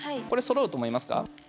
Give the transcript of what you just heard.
これそろうと思いますか？